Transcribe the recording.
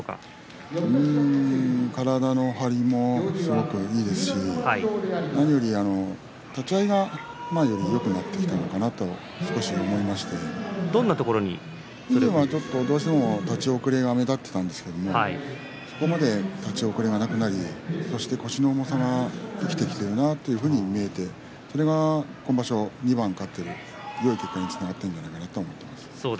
体の張りもすごくいいですし何より立ち合いは前よりよくなってきたのかなと思いまして今まではどうしても立ち遅れが目立っていたんですけどそこまで立ち遅れがなくなり腰の重さが生きてきているなと見えてそれが今場所、２番勝っているよい結果につながっているんじゃないかなと思っています。